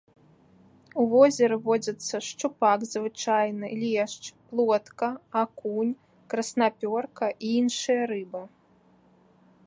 У возеры водзяцца шчупак звычайны, лешч, плотка, акунь, краснапёрка і іншыя рыбы.